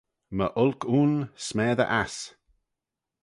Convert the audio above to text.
My olk ayn, smessey ass